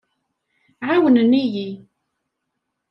Ɛawnen-iyi.